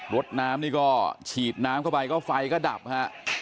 รถน้ำนี่ก็ฉีดน้ำเข้าไปก็ไฟก็ดับฮะ